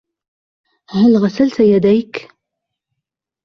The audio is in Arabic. هل غسلت يديك ؟